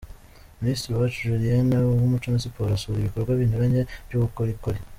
Minisitiri Uwacu Julienne w’Umuco na Siporo asura ibikorwa binyuranye by’ubukorikori.